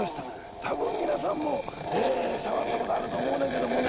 たぶん皆さんも触ったことあると思うんやけどね。